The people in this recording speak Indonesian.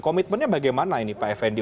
komitmennya bagaimana ini pak effendi